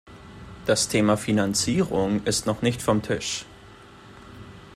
Das Thema Finanzierung ist noch nicht vom Tisch.